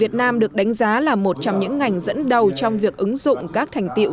việt nam được đánh giá là một trong những ngành dẫn đầu trong việc ứng dụng các thành tiệu